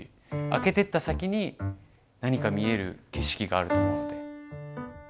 開けてった先に何か見える景色があると思うので。